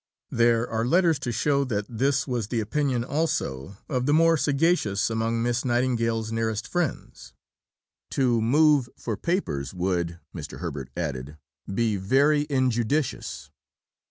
There are letters to show that this was the opinion also of the more sagacious among Miss Nightingale's nearest friends. To move for papers would, Mr. Herbert added, be very injudicious.